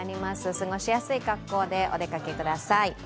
過ごしやすい格好でお過ごしください。